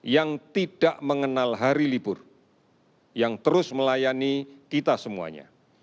yang tidak mengenal hari libur yang terus melayani kita semuanya